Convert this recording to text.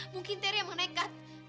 mungkin terry yang menekat